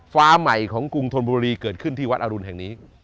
ฟ้าของกรุงทลบุรีเกิดขึ้นที่วัดหรุ่นแห่งนี้